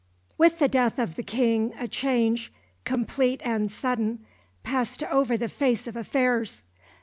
With the death of the King a change, complete and sudden, passed over the face of affairs.